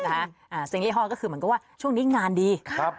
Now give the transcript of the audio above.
นะฮะอ่าสเตงลี่ฮอร์ก็คือเหมือนกับว่าช่วงนี้งานดีครับ